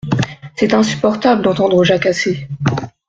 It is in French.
C’est insupportable d’entendre jacasser…